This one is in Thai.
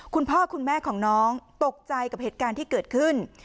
คุณพ่อคุณแม่ของน้องตกใจกับเหตุการณ์ที่เกิดขึ้น